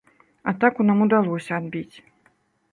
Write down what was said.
Атаку нам удалося адбіць.